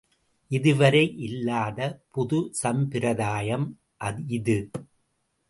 இதுவரை இல்லாத புது சம்பிரதாயம் இது.